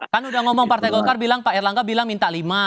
kan udah ngomong partai golkar bilang pak erlangga bilang minta lima